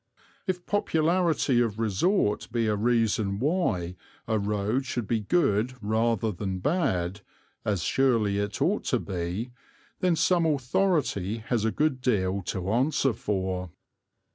If popularity of resort be a reason why a road should be good rather than bad, as surely it ought to be, then some authority has a good deal to answer for.